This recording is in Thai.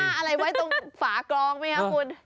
แตะหน้าอะไรไว้ตรงฝากรองมั้ยครับคุณ